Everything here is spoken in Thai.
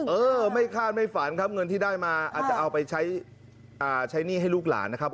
เออไม่คาดไม่ฝันครับเงินที่ได้มาอาจจะเอาไปใช้หนี้ให้ลูกหลานนะครับ